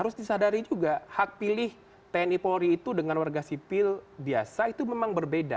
harus disadari juga hak pilih tni polri itu dengan warga sipil biasa itu memang berbeda